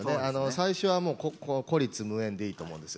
最初は孤立無援でいいと思うんです。